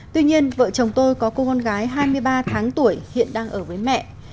tuy nhiên vợ chồng tôi có cô con gái hai mươi ba tháng tuổi hiện đang ở với mẹ